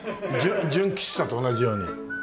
純喫茶と同じように。